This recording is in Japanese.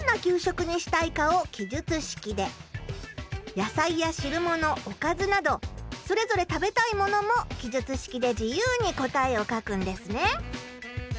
野菜や汁ものおかずなどそれぞれ食べたいものも記述式で自由に答えを書くんですね。